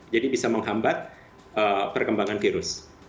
jadi bisa menghambat perkembangan virus